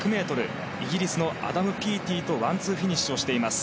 イギリスのアダム・ピーティとワンツーフィニッシュをしています。